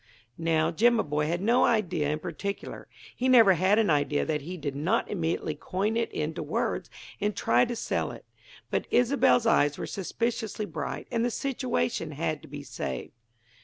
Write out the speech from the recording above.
Now Jimaboy had no idea in particular; he never had an idea that he did not immediately coin it into words and try to sell it. But Isobel's eyes were suspiciously bright, and the situation had to be saved.